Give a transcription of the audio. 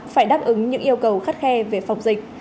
phải đáp ứng những yêu cầu khắt khe về phòng dịch